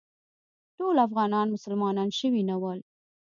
ټول افغانان مسلمانان شوي نه ول.